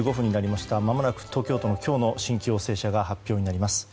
まもなく東京都の今日の新規陽性者が発表になります。